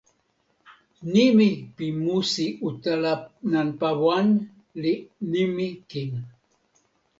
nimi pi musi utala nanpa wan li "nimi kin".